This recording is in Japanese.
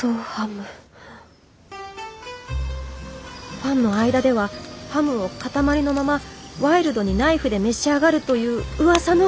ファンの間ではハムを塊のままワイルドにナイフで召し上がるといううわさの！